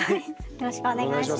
よろしくお願いします。